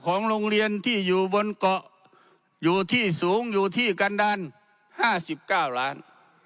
ของโรงเรียนที่อยู่บนเกาะอยู่ที่สูงอยู่ที่กันดัน๕๙ล้าน